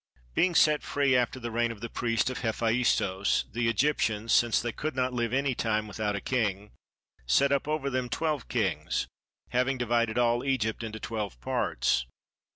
Being set free after the reign of the priest of Hephaistos, the Egyptians, since they could not live any time without a king, set up over them twelve kings, having divided all Egypt into twelve parts.